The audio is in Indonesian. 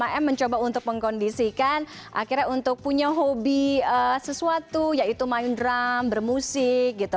lima m mencoba untuk mengkondisikan akhirnya untuk punya hobi sesuatu yaitu main drum bermusik gitu